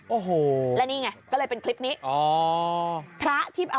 โอ้โหและนี่ไงก็เลยเป็นคลิปนี้